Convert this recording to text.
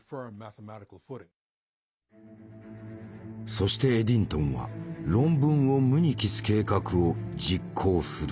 そしてエディントンは論文を無に帰す計画を実行する。